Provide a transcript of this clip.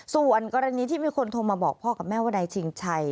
ส่วนกรณีที่มีคนโทรมาบอกพ่อกับแม่ว่านายชิงชัย